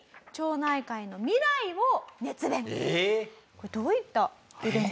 これどういったイベント？